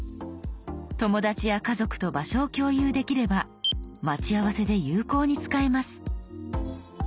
友達や家族と場所を共有できれば待ち合わせで有効に使えます。